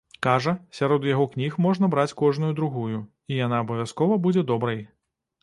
Кажа, сярод яго кніг можна браць кожную другую, і яна абавязкова будзе добрай.